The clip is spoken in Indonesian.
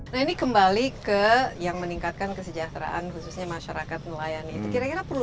nah ini kembali ke yang meningkatkan kesejahteraan khususnya masyarakat nelayan itu kira kira perlu